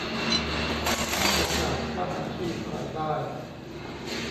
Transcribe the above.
สร้างโอกาสสร้างอาชีพรายได้